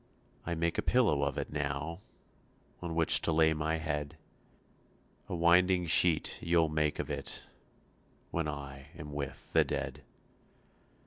I make a pillow of it now On which to lay my head, A winding sheet you'll make of it When I am with the dead.